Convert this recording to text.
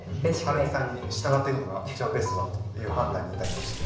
はるみさんに従っていくのが一番ベストだという判断に至りました。